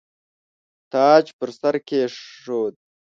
تاج پر سر کښېښود.